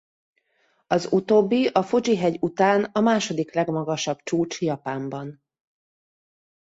Az utóbbi a Fudzsi-hegy után a második legmagasabb csúcs Japánban.